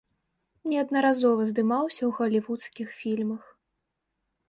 Неаднаразова здымаўся ў галівудскіх фільмах.